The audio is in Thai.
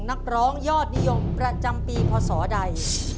นักร้องยอดนิยมประจำปีพศใด